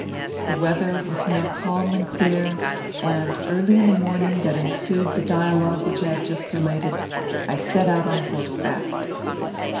The weather was now calm and clear, and, early in the morning that ensued the dialogue which I have just related, I set out on horseback.